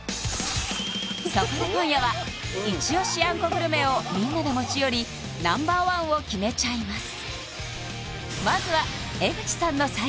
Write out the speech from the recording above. そこで今夜はイチオシあんこグルメをみんなで持ち寄りＮｏ．１を決めちゃいます！